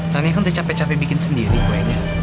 karena kan udah capek capek bikin sendiri kuenya